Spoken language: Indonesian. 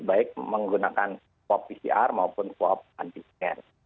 baik menggunakan swab pcr maupun swab antigen